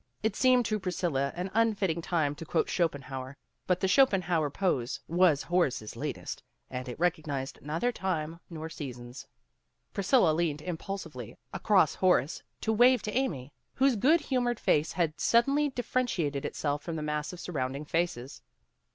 It seemed to Pris cilla an unfitting time to quote Schopenhauer, but the Schopenhauer pose was Horace's latest, and it recognized neither time nor seasons. Priscilla leaned impulsively across Horace to 201 202 PEGGY RAYMOND'S WAY wave to Amy, whose good humored face had suddenly differentiated itself from the mass of surrounding faces.